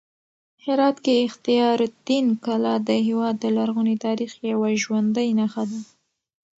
هرات کې اختیار الدین کلا د هېواد د لرغوني تاریخ یوه ژوندۍ نښه ده.